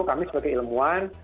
kami sebagai ilmuwan